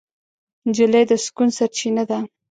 نجلۍ د سکون سرچینه ده.